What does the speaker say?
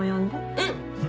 うん！